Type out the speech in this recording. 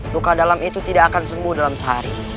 luka dalam itu tidak akan sembuh dalam sehari